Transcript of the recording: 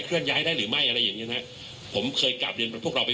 ย้ายได้หรือไม่อะไรอย่างเงี้นะผมเคยกลับเรียนพวกเราไป